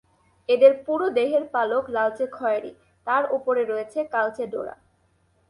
এদের পুরো দেহের পালক লালচে-খয়েরি, তার ওপর রয়েছে কালচে ডোরা।